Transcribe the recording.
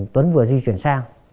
tuấn vừa di chuyển sang